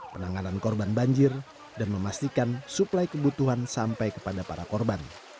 penanganan korban banjir dan memastikan suplai kebutuhan sampai kepada para korban